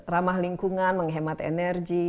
ramah lingkungan menghemat energi